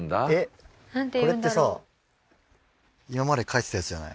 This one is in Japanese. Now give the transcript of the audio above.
これってさ今まで書いてたやつじゃない？